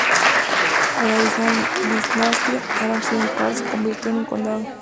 En la dinastía Han Occidental, se convirtió en un condado.